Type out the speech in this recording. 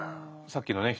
さっきのね